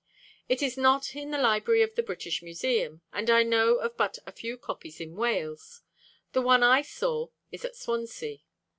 It is not in the library of the British Museum, and I know of but a few copies in Wales; the one I saw is at Swansea.